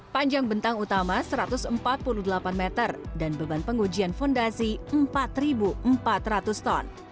panjang bentang utama satu ratus empat puluh delapan meter dan beban pengujian fondasi empat empat ratus ton